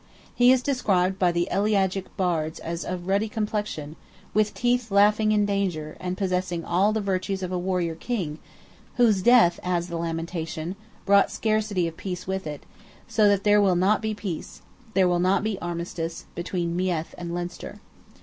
He is described by the elegiac Bards as of "ruddy complexion," "with teeth laughing in danger," and possessing all the virtues of a warrior king; "whose death," adds the lamentation, "brought scarcity of peace" with it, so that "there will not be peace," "there will not be armistice," between Meath and Leinster.